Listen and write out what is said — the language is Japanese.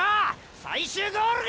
最終ゴールが！